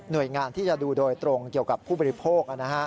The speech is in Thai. โดยงานที่จะดูโดยตรงเกี่ยวกับผู้บริโภค